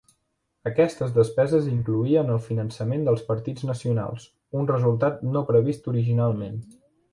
Aquestes despeses incloïen el finançament dels partits nacionals, un resultat no previst originalment.